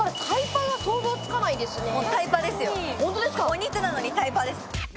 お肉なのにタイパです。